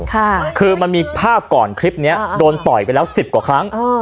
ค่ะคือมันมีภาพก่อนคลิปเนี้ยโดนต่อยไปแล้วสิบกว่าครั้งอ่า